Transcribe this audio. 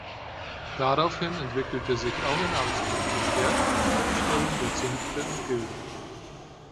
Daraufhin entwickelte sich auch in Augsburg verstärkt eine Machtstellung der Zünfte und Gilden.